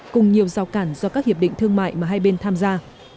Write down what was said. cùng nhiều rào cản do các hiệp định thương mại mà hai bên tham gia